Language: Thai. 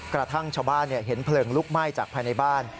กระทั่งชาวบ้านเห็นเพลิงลุกไหม้จากภายในบ้าน